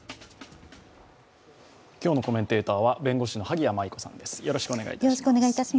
今日のコメンテーターは弁護士の萩谷麻衣子さんです。